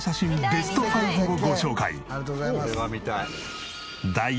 ベスト５をご紹介。